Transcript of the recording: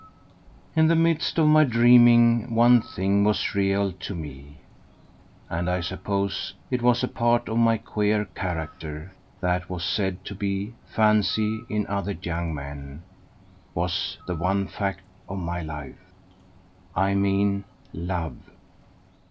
In the midst of my dreaming one thing was real to me, and I suppose it was a part of my queer character, that what was said to be fancy in other young men was the one fact of my life. I mean love.